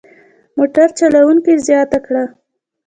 موټر چلوونکي زیاته کړه.